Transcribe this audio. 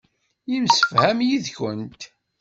Yemsefham yid-kent.